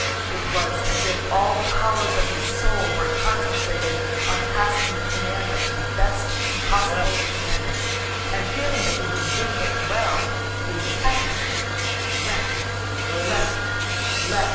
It was as if all the powers of his soul were concentrated on passing the commander in the best possible manner, and feeling that he was doing it well he was happy. "Left... left... left..."